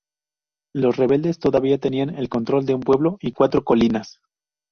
Los rebeldes todavía tenían el control de un pueblo y cuatro colinas.